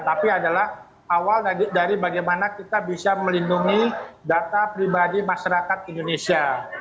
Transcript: tapi adalah awal dari bagaimana kita bisa melindungi data pribadi masyarakat indonesia